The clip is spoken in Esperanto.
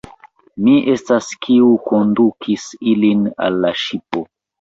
Mi estas, kiu kondukis ilin al la ŝipo.